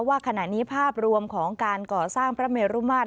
ว่าขณะนี้ภาพรวมของการก่อสร้างพระเมรุมาตร